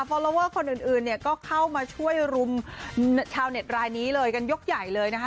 พอลอเวอร์คนอื่นเนี่ยก็เข้ามาช่วยรุมชาวเน็ตรายนี้เลยกันยกใหญ่เลยนะคะ